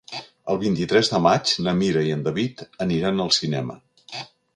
El vint-i-tres de maig na Mira i en David aniran al cinema.